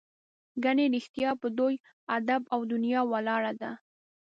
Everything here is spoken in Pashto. ګنې رښتیا په دوی ادب او دنیا ولاړه ده.